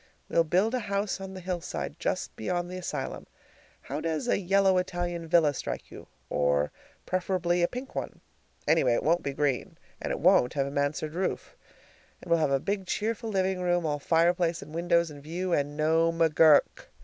We'll build a house on the hillside just beyond the asylum how does a yellow Italian villa strike you, or preferably a pink one? Anyway, it won't be green. And it won't have a mansard roof. And we'll have a big cheerful living room, all fireplace and windows and view, and no McGURK.